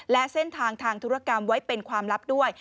และเส้นทางทางธุรกรรมไว้เป็นความลับด้วย